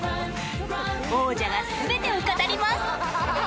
王者がすべてを語ります